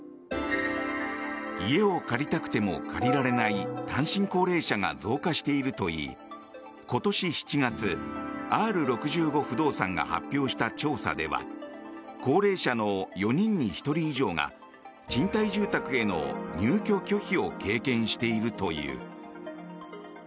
家を借りたくても借りられない単身高齢者が増加しているといい今年７月、Ｒ６５不動産が発表した調査では高齢者の４人に１人以上が賃貸住宅への入居拒否を経験しているという。